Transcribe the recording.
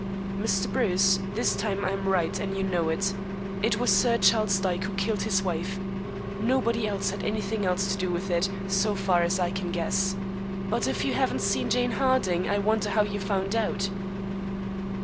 "Mr. Bruce, this time I am right, and you know it. It was Sir Charles Dyke who killed his wife. Nobody else had anything else to do with it, so far as I can guess. But if you haven't seen Jane Harding, I wonder how you found out."